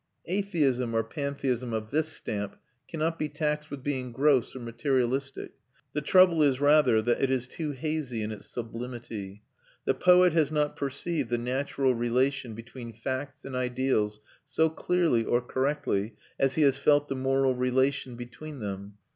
Atheism or pantheism of this stamp cannot be taxed with being gross or materialistic; the trouble is rather that it is too hazy in its sublimity. The poet has not perceived the natural relation between facts and ideals so clearly or correctly as he has felt the moral relation between them.